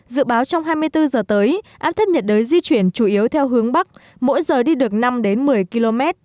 dự báo trong hai mươi bốn giờ tới áp thấp nhiệt đới di chuyển chủ yếu theo hướng bắc mỗi giờ đi được năm đến một mươi km